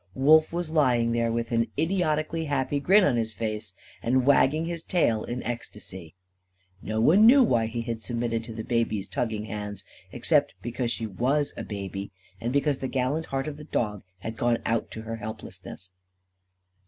Wolf was lying there, with an idiotically happy grin on his face and wagging his tail in ecstasy. No one knew why he had submitted to the baby's tugging hands, except because she was a baby, and because the gallant heart of the dog had gone out to her helplessness.